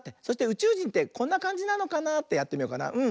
そしてうちゅうじんってこんなかんじなのかなってやってみようかな。